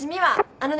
あのね。